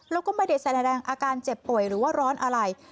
แล้วก็ไม่ได้แสดงอาการเจ็บป่วยหรือว่าร้อนอะไร